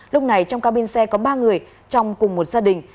lúc này trong cao pin xe có ba người trong cùng một gia đình